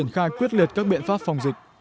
và quyết liệt các biện pháp phòng dịch